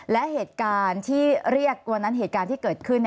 และเหตุการณ์ที่เรียกวันนั้นเหตุการณ์ที่เกิดขึ้น